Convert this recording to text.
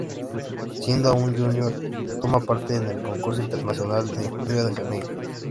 Siendo aún junior, toma parte en el Concurso Internacional de Río de Janeiro.